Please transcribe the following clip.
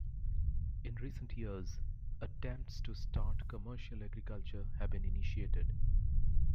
In recent years, attempts to start commercial agriculture have been initiated.